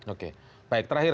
oke baik terakhir